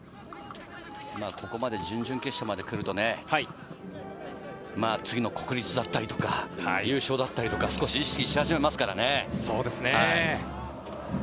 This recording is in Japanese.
ここまで準々決勝までくると、次の国立だったりとか、優勝だったりとか、少し意識し始めますからね。